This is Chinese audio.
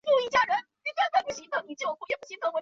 莫鲁阿古杜是巴西圣保罗州的一个市镇。